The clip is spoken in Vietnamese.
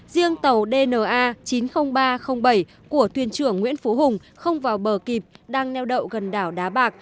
riêng tàu dna chín mươi nghìn ba trăm linh bảy của thuyền trưởng nguyễn phú hùng không vào bờ kịp đang neo đậu gần đảo đá bạc